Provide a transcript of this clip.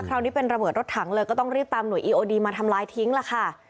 คราวนี้เป็นระเบิดรถถังเลยก็ต้องรีบตามหน่วยอีโอดีมาทำลายทิ้งล่ะค่ะ